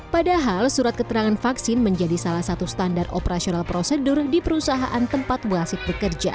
padahal surat keterangan vaksin menjadi salah satu standar operasional prosedur di perusahaan tempat wasit bekerja